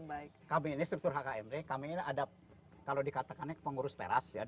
jadi kami ini struktur hkm kami ini ada kalau dikatakannya pengurus teras ya